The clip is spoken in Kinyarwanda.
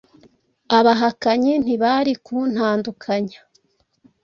Abahakanyi ntibari kuntandukanya